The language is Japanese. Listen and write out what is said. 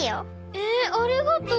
えありがとう。